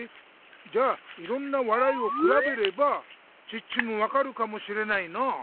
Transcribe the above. じゃあいろんな笑いをくらべればチッチも分かるかもしれないなあ。